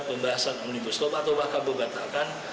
pembahasan omnibus law atau bahkan membatalkan